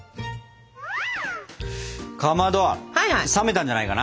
かまど冷めたんじゃないかな。